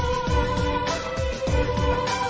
โอ้โอ้โอ้โอ้